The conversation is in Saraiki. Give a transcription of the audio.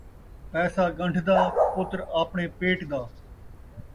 پیسہ ڳنڈھ دا، پتر آپݨے پیٹ دا